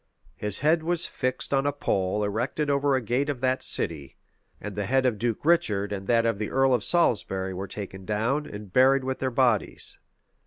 His head was fixed on a pole erected over a gate of that city; and the head of Duke Richard and that of the earl of Salisbury were taken down, and buried with their bodies.